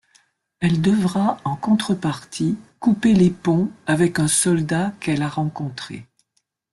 Elle devra en contrepartie couper les ponts avec un soldat qu'elle a rencontré.